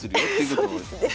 そうですね。